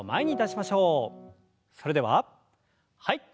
それでははい。